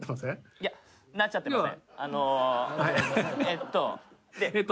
いや、なっちゃってません。